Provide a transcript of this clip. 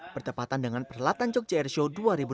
bertepatan dengan perhelatan jogja airshow dua ribu delapan belas